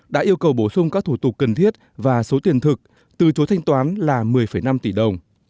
đã yêu cầu bổ sung các thủ tục cần thiết và số tiền thực từ chối thanh toán là một mươi năm tỷ đồng